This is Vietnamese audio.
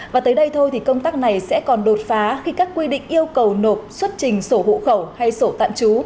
và tới đây thôi thì công tác này sẽ còn đột phá khi các quy định yêu cầu nộp xuất trình sổ hộ khẩu hay sổ tạm trú